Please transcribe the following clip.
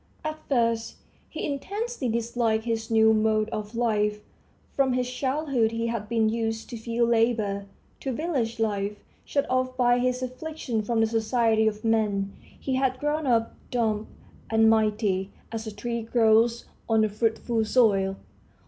At first he intensely disliked his new mode of life. From his childhood he had been used to field labor, to village life. Shut off by his affliction from the society of men, he had grown up, dumb and mighty, as a tree grows on a fruitful soil.